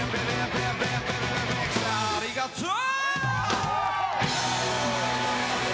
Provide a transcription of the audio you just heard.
ありがとーう！